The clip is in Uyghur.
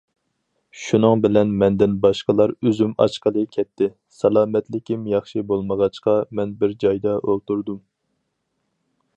شۇنىڭ بىلەن مەندىن باشقىلار ئۈزۈم ئاچقىلى كەتتى، سالامەتلىكىم ياخشى بولمىغاچقا، مەن بىر جايدا ئولتۇردۇم.